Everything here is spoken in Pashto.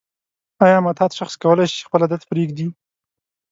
آیا معتاد شخص کولای شي چې خپل عادت پریږدي؟